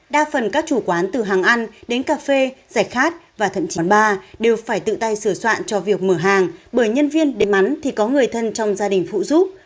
đa phần các chủ quán từ hàng ăn đến cà phê rạch khát và thận chỉnh bán ba đều phải tự tay sửa soạn cho việc mở hàng bởi nhân viên đến mắn thì có người thân trong gia đình phụ giúp